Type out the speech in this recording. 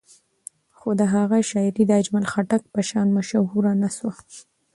خو د هغه شاعري د اجمل خټک په شان مشهوره نه شوه.